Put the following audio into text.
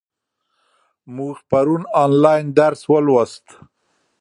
موږ پرون آنلاین درس ولوست.